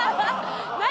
何？